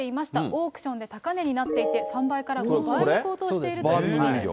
オークションで高値になっていて、３倍から５倍に高騰しているということなんです。